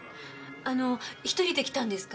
あの１人で来たんですか？